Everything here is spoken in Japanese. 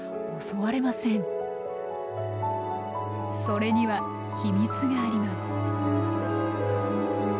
それには秘密があります。